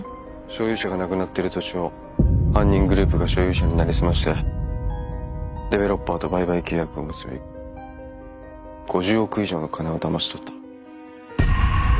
所有者が亡くなってる土地を犯人グループが所有者になりすましてデベロッパーと売買契約を結び５０億以上の金をだまし取った。